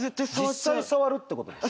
実際触るってことですか？